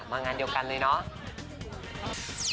มางานเดียวกันเลยนะ